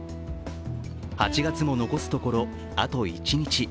８月も残すところ、あと一日。